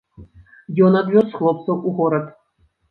Ён адвёз хлопцаў у горад.